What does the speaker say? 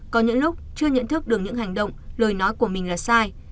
có những lúc chưa nhận thức được những hành động lời nói của mình là sai